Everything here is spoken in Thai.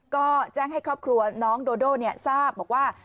ก็แจ้งให้ครอบครัวน้องโดโด่ทราบบอกว่า